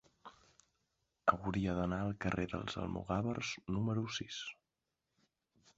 Hauria d'anar al carrer dels Almogàvers número sis.